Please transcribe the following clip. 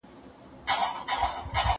ته ولي کار کوې.